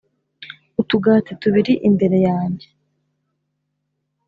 Utugati tubiri imbere yanjye